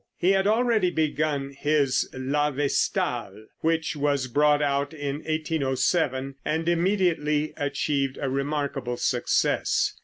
He had already begun his "La Vestale," which was brought out in 1807, and immediately achieved a remarkable success.